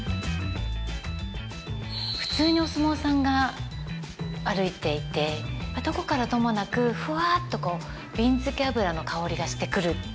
普通にお相撲さんが歩いていてどこからともなくフワっとこうびんつけ油の香りがしてくる。